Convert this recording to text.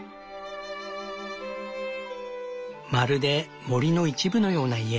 まるで森の一部のような家。